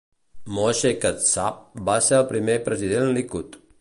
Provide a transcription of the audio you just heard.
Moshe Katsav va ser el primer president Likud.